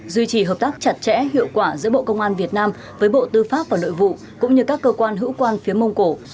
duy trì hợp tác chặt chẽ hiệu quả giữa bộ công an việt nam với bộ tư pháp và nội vụ cũng như các cơ quan hữu quan phía mông cổ